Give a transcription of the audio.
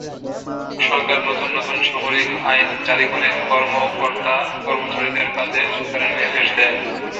সরকার নতুন নতুন সামরিক আইন জারি করে কর্মকর্তা-কর্মচারীদের কাজে যোগদানের নির্দেশ দেয়।